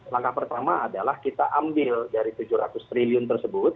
langkah pertama adalah kita ambil dari tujuh ratus triliun tersebut